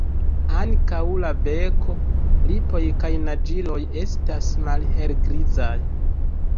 Ankaŭ la beko, lipoj kaj naĝiloj estas malhelgrizaj.